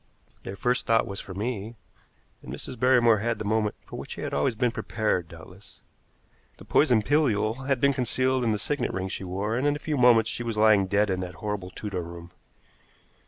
Their first thought was for me, and Mrs. Barrymore had the moment for which she had always been prepared, doubtless. The poison pilule had been concealed in a signet ring she wore, and in a few moments she was lying dead in that horrible Tudor room.